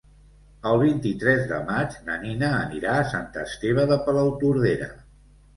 El vint-i-tres de maig na Nina anirà a Sant Esteve de Palautordera.